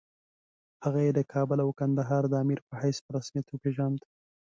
هغه یې د کابل او کندهار د امیر په حیث په رسمیت وپېژاند.